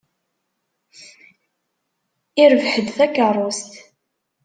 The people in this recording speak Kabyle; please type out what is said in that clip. Yerbeḥ-d takeṛṛust.